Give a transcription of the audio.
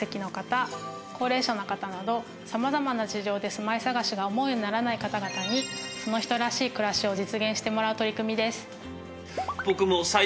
高齢者の方など様々な事情で住まい探しが思うようにならない方々にその人らしい暮らしを実現してもらう取り組みです。